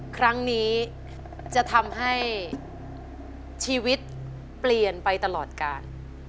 ครั้งนี้จะทำให้ชีวิตเปลี่ยนไปตลอดการ